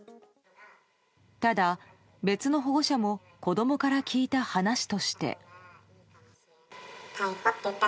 ただ、別の保護者も子供から聞いた話として。